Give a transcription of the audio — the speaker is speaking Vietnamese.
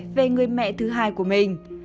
về người mẹ thứ hai của mình